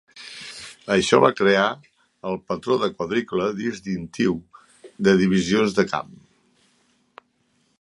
Això va crear el patró de quadrícula distintiu de divisions de camp.